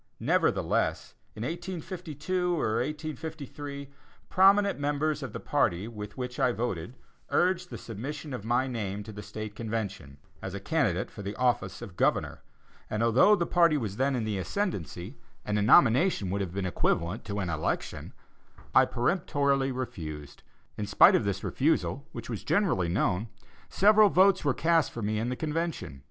Nevertheless, in 1852 or 1853, prominent members of the party with which I voted, urged the submission of my name to the State Convention, as a candidate for the office of Governor, and although the party was then in the ascendancy, and a nomination would have been equivalent to an election, I peremptorily refused; in spite of this refusal, which was generally known, several votes were cast for me in the Convention.